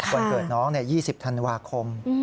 วันเกิดน้อง๒๐ธันวาคม